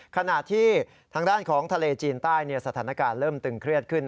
ขณะที่ทางด้านของทะเลจีนใต้สถานการณ์เริ่มตึงเครียดขึ้น